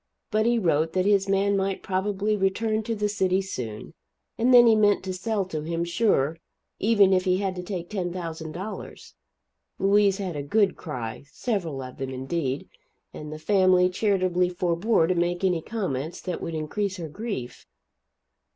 But he wrote that his man might probably return to the city soon, and then he meant to sell to him, sure, even if he had to take $10,000. Louise had a good cry several of them, indeed and the family charitably forebore to make any comments that would increase her grief.